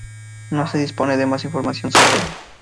No se dispone de más información sobre ella.